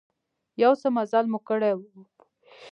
يو څه مزل مو کړى و.